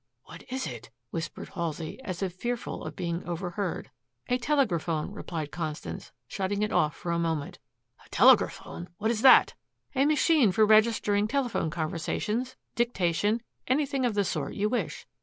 "What is it?" whispered Halsey, as if fearful of being overheard. "A telegraphone," replied Constance, shutting it off for a moment. "A telegraphone? What is that?" "A machine for registering telephone conversations, dictation, anything of the sort you wish.